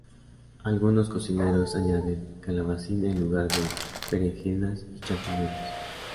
Algunos cocineros añaden calabacín en lugar de berenjenas y champiñones.